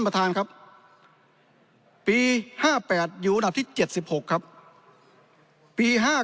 ประทานครับปีห้าแปดอยู่อันดับที่เจ็ดสิบหกครับปีห้า